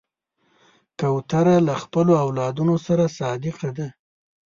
کوتره له خپلو اولادونو سره صادقه ده.